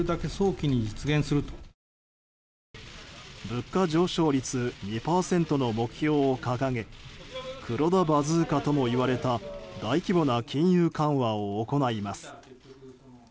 物価上昇率２％の目標を掲げ黒田バズーカともいわれた大規模な金融緩和を行います。